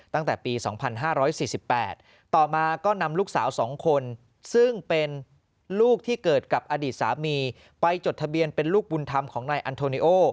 ตั้งแต่ปี๒๕๔๘ต่อมาก็นำลูกสาว๒คนซึ่งเป็นลูกที่เกิดกับอดีตสามีไปจดทะเบียนเป็นลูกบุญธรรมของนายอันโทนิโอ